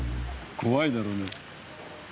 怖いだろうね。